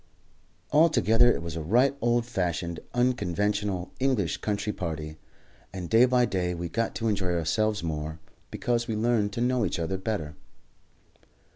Altogether, it was a right old fashioned, unconventional English country party, and day by day we got to enjoy ourselves more, because we learned to know each other better.